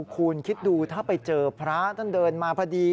คุณคิดดูถ้าไปเจอพระท่านเดินมาพอดี